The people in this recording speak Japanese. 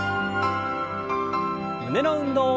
胸の運動。